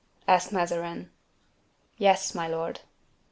asked Mazarin. "Yes, my lord."